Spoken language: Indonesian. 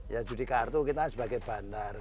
ya judi kartu kita sebagai bandar